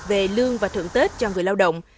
về lương và thưởng tết cho người lao động